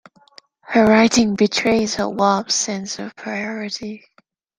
Her writing betrays her warped sense of priorities.